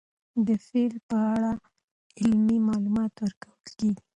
د فیل په اړه علمي معلومات ورکول کېږي.